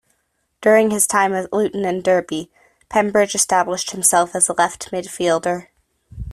During his time at Luton and Derby, Pembridge established himself as a left midfielder.